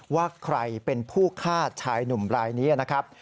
ว่าใครเป็นผู้ฆ่าชายหนุ่มรายนี้นะครับ